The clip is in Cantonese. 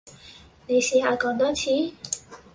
你試下講多次?